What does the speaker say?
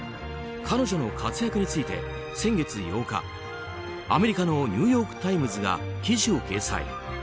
彼女の活躍について先月８日アメリカのニューヨーク・タイムズが記事を掲載。